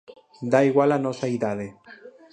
Dá igual a nosa idade.